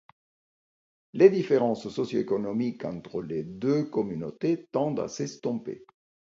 Les différences socioéconomiques entre les deux communautés tendent à s'estomper.